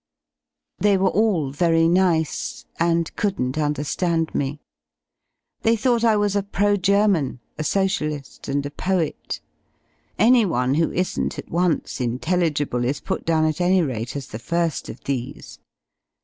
Thev were all very nice, and ^ 75 li couldn't underifland me. They thought I was a pro German, a Socialis% and a Poet. Anyone who isn't at once intelligible is put down at any rate as the fir^ of these.